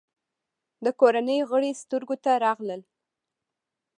د کورنۍ غړي سترګو ته راغلل.